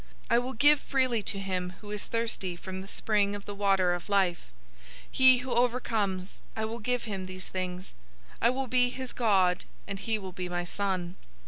I will give freely to him who is thirsty from the spring of the water of life. 021:007 He who overcomes, I will give him these things. I will be his God, and he will be my son.